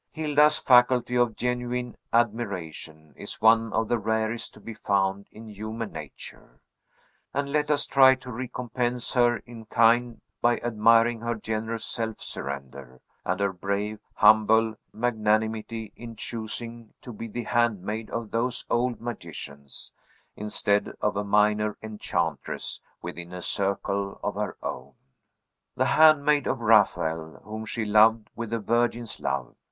Hilda's faculty of genuine admiration is one of the rarest to be found in human nature; and let us try to recompense her in kind by admiring her generous self surrender, and her brave, humble magnanimity in choosing to be the handmaid of those old magicians, instead of a minor enchantress within a circle of her own. The handmaid of Raphael, whom she loved with a virgin's love!